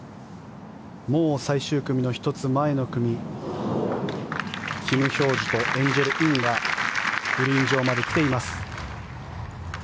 もう最終組の１つ前の組キム・ヒョージュとエンジェル・インはグリーン上まで来ています。